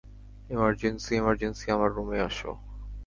Emergency, emergency, আমার রুমে আসো।